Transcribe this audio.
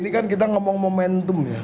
ini kan kita ngomong momentum ya